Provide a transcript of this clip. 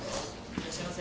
いらっしゃいませ。